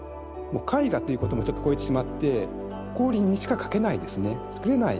絵画ということもちょっと超えてしまって光琳にしか描けないですね作れない